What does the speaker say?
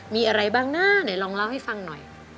มีอะไรบ้างนะไหนลองเล่าให้ฟังหน่อย